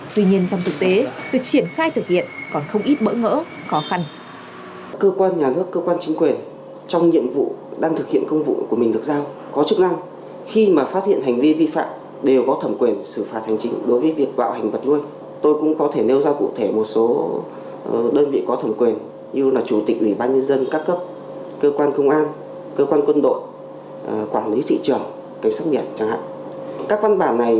tuy nhiên trong thực tế việc triển khai thực hiện còn không ít bỡ ngỡ khó khăn